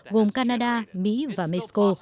gồm canada mỹ và mexico